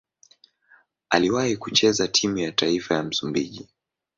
Aliwahi kucheza timu ya taifa ya Msumbiji.